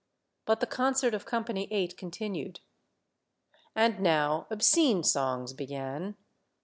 But the concert of Company Eight continued. And now obscene songs began.